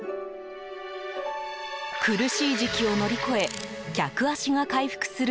苦しい時期を乗り越え客足が回復する